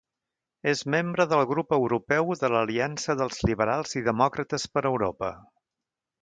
És membre del grup europeu de l'Aliança dels Liberals i Demòcrates per Europa.